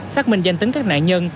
xác minh danh tính các nạn nhân